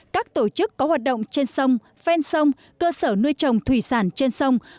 các tổ chức có hoạt động trên sông phen sông cơ sở nuôi trồng thủy sản trên sông